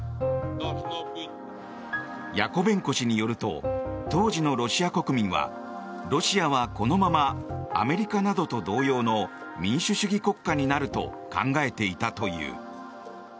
ヤコベンコ氏によると当時のロシア国民はロシアはこのままアメリカなどと同様の民主主義国家になると考えていたという。